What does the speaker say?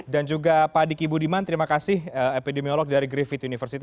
dan juga pak adik ibu diman terima kasih epidemiolog dari griffith university